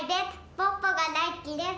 ポッポがだいすきです。